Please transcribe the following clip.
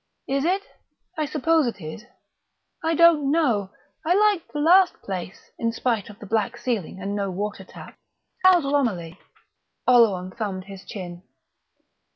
"Is it? I suppose it is; I don't know. I liked the last place, in spite of the black ceiling and no watertap. How's Romilly?" Oleron thumbed his chin.